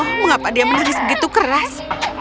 oh mengapa dia menangis begitu keras